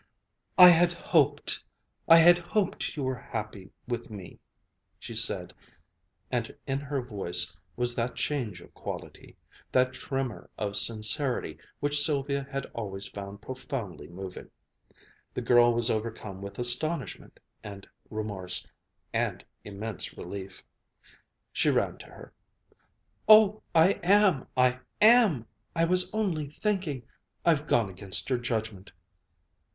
"I had hoped I had hoped you were happy with me," she said, and in her voice was that change of quality, that tremor of sincerity which Sylvia had always found profoundly moving. The girl was overcome with astonishment and remorse and immense relief. She ran to her. "Oh, I am! I am! I was only thinking I've gone against your judgment."